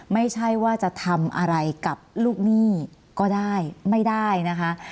ไม่ใช่ว่าจะทำอะไรกับลูกหนี้ก็ได้ไม่ได้นะคะ